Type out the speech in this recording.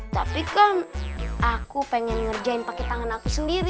tapi kan aku pengen ngerjain pakai tangan aku sendiri